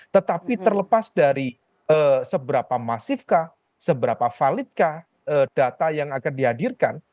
tetapi terlepas dari seberapa masifkah seberapa validkah data yang akan dihadirkan